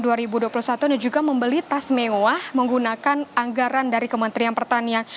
juga membeli tas mewah menggunakan anggaran dari kementerian pertanian